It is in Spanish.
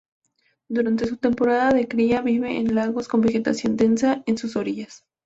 Durante su temporada de cría vive en lagos con vegetación densa en sus orillas.